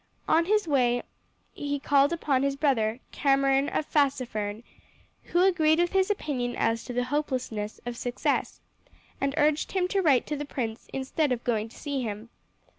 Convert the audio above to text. On his way he called upon his brother, Cameron of Fassefern, who agreed with his opinion as to the hopelessness of success, and urged him to write to the prince instead of going to see him.